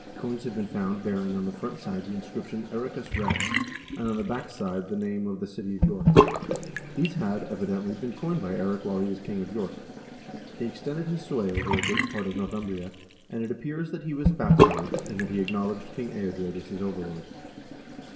Coins have been found bearing on the front side the inscrip tion EricuB Rex, and on the back side the name of the city of York. These had, evidently, been coined by Eirik while he was king of York. He extended his sway over a great part of Northumbria, and it appears that he was baptized, and that he acknowledged King Eadred as his overlord.